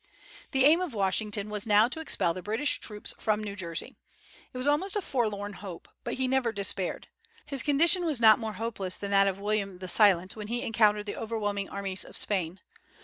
The aim of Washington was now to expel the British troops from New Jersey. It was almost a forlorn hope, but he never despaired. His condition was not more hopeless than that of William the Silent when he encountered the overwhelming armies of Spain.